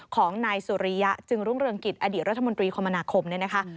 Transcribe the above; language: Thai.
ของนายสุริยะจึงรุ่งเรืองกิจอดีตรัฐมนตรีคมนาคมเนี่ยนะคะ